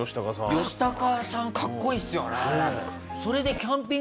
ヨシタカさんかっこいいっすよね。